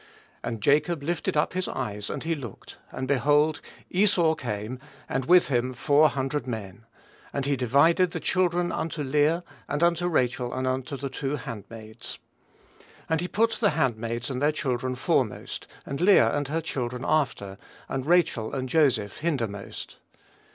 "And Jacob lifted up his eyes, and looked, and, behold, Esau came, and with him four hundred men. And he divided the children unto Leah, and unto Rachel, and unto the two handmaids. And he put the handmaids and their children foremost, and Leah and her children after, and Rachel and Joseph hindermost."